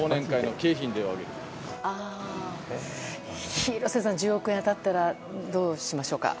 廣瀬さん、１０億円当たったらどうしましょうか？